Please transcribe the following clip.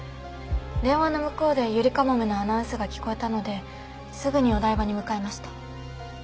電話の向こうでゆりかもめのアナウンスが聞こえたのですぐにお台場に向かいました。